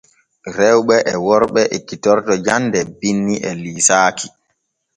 Rewɓe e worɓe ekkitorto jande binni e liisaaki.